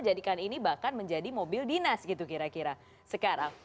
jadikan ini bahkan menjadi mobil dinas gitu kira kira sekarang